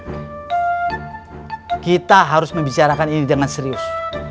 kita harus membicarakan ini dengan serius